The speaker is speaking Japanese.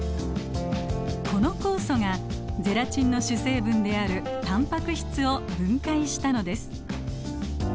この酵素がゼラチンの主成分であるタンパク質を分解したのです。